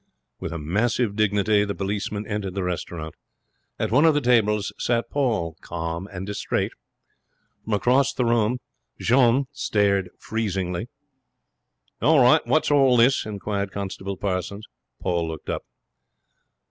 With massive dignity the policeman entered the restaurant. At one of the tables sat Paul, calm and distrait. From across the room Jeanne stared freezingly. 'What's all this?' inquired Constable Parsons. Paul looked up.